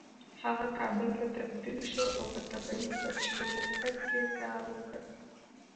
هغه کابل ته تبدیل شو او په طبیعي سرچینو ریاست کې يې کار وکړ